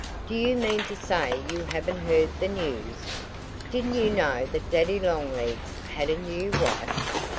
"Do you mean to say you haven't heard the news? Didn't you know that Daddy Longlegs had a new wife?